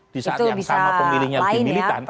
di saat yang sama pemilihnya dimilikan